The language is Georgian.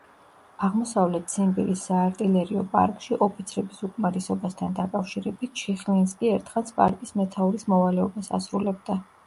აღმოსავლეთ-ციმბირის საარტილერიო პარკში ოფიცრების უკმარისობასთან დაკავშირებით, შიხლინსკი ერთხანს პარკის მეთაურის მოვალეობას ასრულებდა.